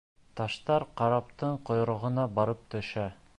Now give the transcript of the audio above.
Таштар караптың ҡойроғона барып төшә.